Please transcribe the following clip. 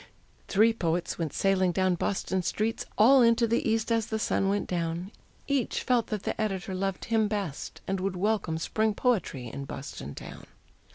Three poets went sailing down Boston streets, All into the East as the sun went down, Each felt that the editor loved him best And would welcome spring poetry in Boston town.